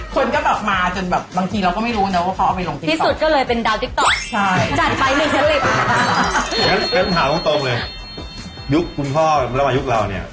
คนก็แบบมาจนแบบบางทีเราก็ไม่รู้นะว่าเขาออกไปรองติ๊กต๊อก